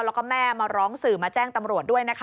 แล้วก็แม่มาร้องสื่อมาแจ้งตำรวจด้วยนะคะ